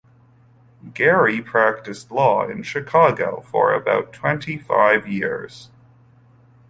Gary practiced law in Chicago for about twenty-five years.